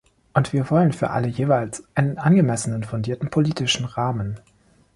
Und wir wollen für alle jeweils einen angemessenen fundierten politischen Rahmen.